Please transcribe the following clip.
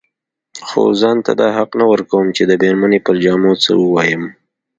خو ځان ته دا حق نه ورکوم چې د مېرمنې پر جامو څه ووايم.